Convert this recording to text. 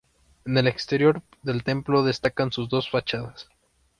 En el exterior del templo destacan sus dos fachadas.